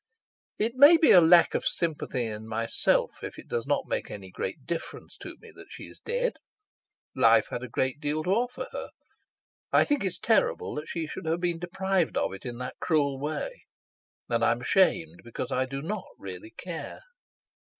"It may be a lack of sympathy in myself if it does not make any great difference to me that she is dead. Life had a great deal to offer her. I think it's terrible that she should have been deprived of it in that cruel way, and I am ashamed because I do not really care."